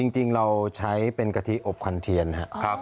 จริงเราใช้เป็นกะทิอบควันเทียนครับ